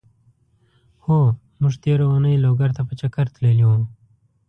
هو! مونږ تېره اونۍ لوګر ته په چګر تللی وو.